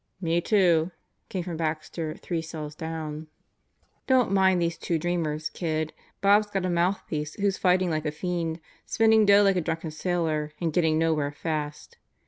"Me too!" came from Baxter three cells down. "Don't mind these two dreamers, kid. Bob's got a mouthpiece who's fighting like a fiend, spending dough like a drunken sailor, and getting nowhere fast.